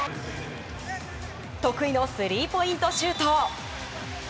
得意のスリーポイントシュート。